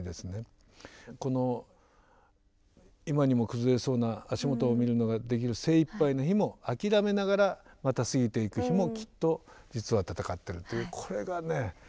この「今にもくずれそうな足元見るのが出来る精一杯な日もあきらめながらまた過ぎていく日もきっと実は闘ってる」っていうこれがね